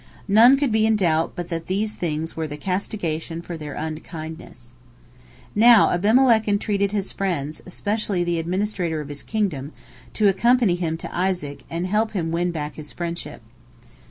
None could be in doubt but that these things were the castigation for their unkindness. Now Abimelech entreated his friends, especially the administrator of his kingdom, to accompany him to Isaac and help him win back his friendship.